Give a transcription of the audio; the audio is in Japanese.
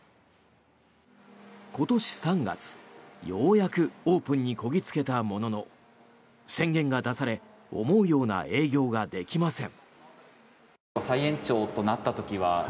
今年３月、ようやくオープンにこぎ着けたものの宣言が出され思うような営業ができません。